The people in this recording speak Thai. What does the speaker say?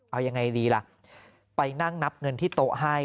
เอายังไงดีล่ะไปนั่งนับเงินที่โต๊ะให้